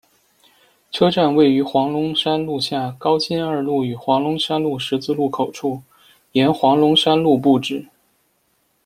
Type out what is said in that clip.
车站位于黄龙山路下，高新二路与黄龙山路十字路口处，沿黄龙山路布置。